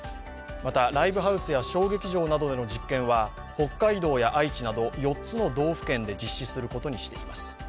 また、ライブハウスや小劇場などでの実験は、北海道や愛知など４つの道府県で実施することにしています。